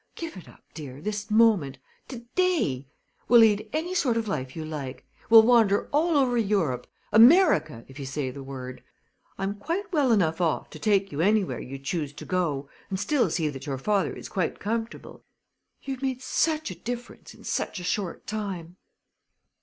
Give it up, dear, this moment to day! We'll lead any sort of life you like. We'll wander all over Europe America, if you say the word. I am quite well enough off to take you anywhere you choose to go and still see that your father is quite comfortable. You've made such a difference in such a short time!"